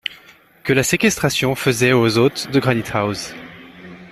que la séquestration faisait aux hôtes de Granite-house.